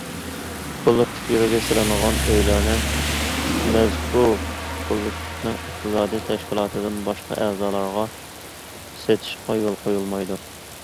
كوللېكتىپ يېرىگە سېلىنغان ئۆيلەرنى مەزكۇر كوللېكتىپنىڭ ئىقتىسادىي تەشكىلاتىدىن باشقا ئەزالارغا سېتىشقا يول قويۇلمايدۇ.